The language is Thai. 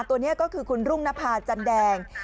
ตัวนี้ก็คือคุณรุ่งนภาจันแดง